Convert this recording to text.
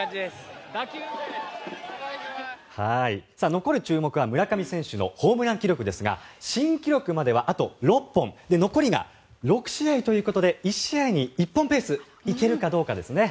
残る注目は村上選手のホームラン記録ですが新記録まではあと６本残りが６試合ということで１試合に１本ベース行けるかどうかですね。